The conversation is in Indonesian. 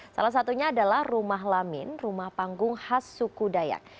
salah satunya adalah rumah lamin rumah panggung khas suku dayak